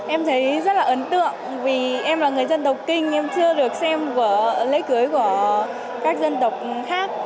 em thấy rất là ấn tượng vì em là người dân độc kinh em chưa được xem vở lễ cưới của các dân tộc khác